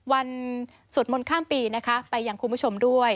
สวดมนต์ข้ามปีนะคะไปยังคุณผู้ชมด้วย